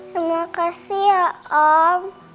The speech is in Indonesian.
terima kasih ya om